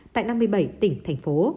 tại năm mươi bảy tỉnh thành phố